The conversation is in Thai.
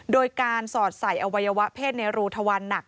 โดยการสอดใส่อวัยวะเพศในรูทวันหนัก